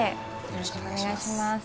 よろしくお願いします